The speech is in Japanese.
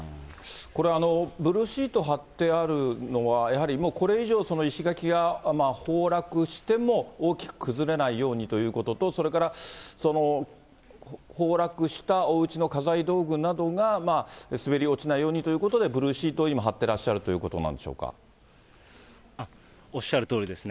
これ、ブルーシートが張ってあるのは、やはりこれ以上、石垣が崩落しても大きく崩れないようにということと、それから崩落したおうちの家財道具などが滑り落ちないようにということで、ブルーシートを今、張っていらっしゃるということなんおっしゃるとおりですね。